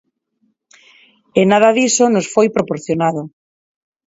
E nada diso nos foi proporcionado.